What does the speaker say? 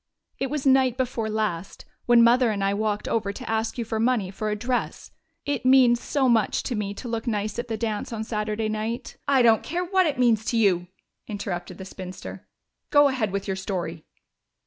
It was night before last, when Mother and I walked over to ask you for money for a dress. It means so much to me to look nice at the dance on Saturday night " "I don't care what it means to you," interrupted the spinster. "Go ahead with your story."